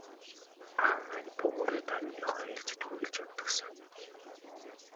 Аав маань буу үүрээд хониныхоо ээлжид үргэлж явдаг сан.